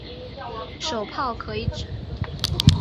手炮可以指